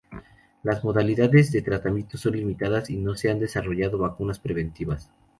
Las modalidades de tratamiento son limitadas y no se han desarrollado vacunas preventivas.